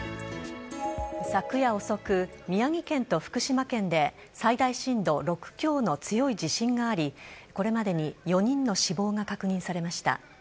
昨夜遅く、宮城県と福島県で最大震度６強の強い地震がありこれまでに４人の死亡が確認されました。